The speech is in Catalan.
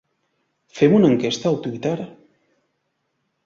Fem una enquesta al Twitter?